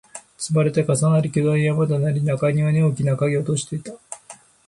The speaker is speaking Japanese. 積まれて、重なり、巨大な山となり、中庭に大きな影を落としていた